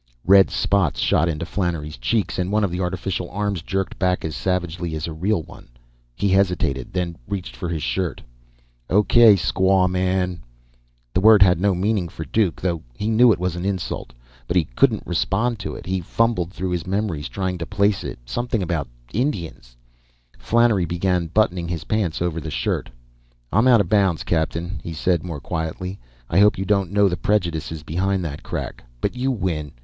Red spots shot onto Flannery's cheeks and one of the artificial arms jerked back as savagely as a real one. He hesitated, then reached for his shirt. "O.K., squawman!" The word had no meaning for Duke, though he knew it was an insult. But he couldn't respond to it. He fumbled through his memories, trying to place it. Something about Indians Flannery began buttoning his pants over the shirt. "I'm out of bounds, captain," he said more quietly. "I hope you don't know the prejudices behind that crack. But you win.